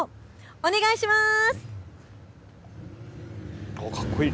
お願いします。